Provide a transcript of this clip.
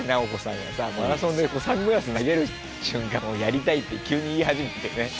がさマラソンでサングラス投げる瞬間をやりたいって急に言い始めてね。